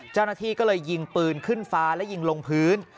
เจ้าหน้าที่ก็เลยยิงปืนขึ้นฟ้าและยิงลงพื้น